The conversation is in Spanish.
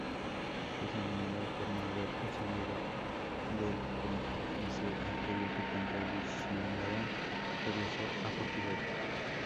Desanimado por no haber conseguido del pontífice aquello que tanto ambicionaba, regresó a Portugal.